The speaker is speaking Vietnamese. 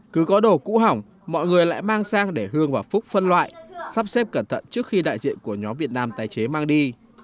cứ có đồ cũ hỏng mọi người lại mang sang để hương và phúc phân loại sắp xếp cẩn thận trước khi đại diện của nhóm việt nam tái chế mang đi